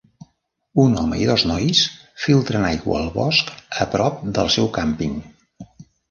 Un home i dos nois filtren aigua al bosc a prop del seu càmping.